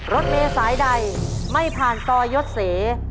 รถเมษายใดไม่ผ่านซอยยศเส